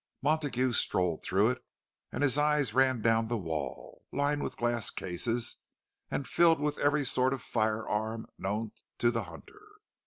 Montague strolled through it, and his eye ran down the wall, lined with glass cases and filled with every sort of firearm known to the hunter.